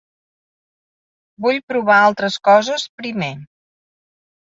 Vull provar altres coses, primer.